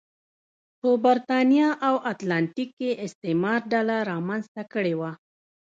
په برېتانیا او اتلانتیک کې استعمار ډله رامنځته کړې وه.